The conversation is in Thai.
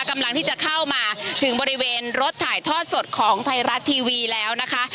กำลังที่จะเข้ามาถึงบริเวณรถถ่ายทอดสดของไทยรัฐทีวีแล้วนะคะ